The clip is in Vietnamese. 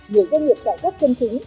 nhiều doanh nghiệp sản xuất chân chính